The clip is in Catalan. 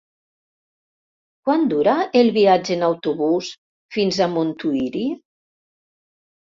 Quant dura el viatge en autobús fins a Montuïri?